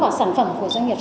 và sản phẩm của doanh nghiệp